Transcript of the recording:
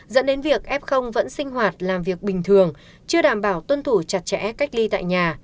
dẫn đến việc f vẫn sinh hoạt làm việc bình thường chưa đảm bảo tuân thủ chặt chẽ cách ly tại nhà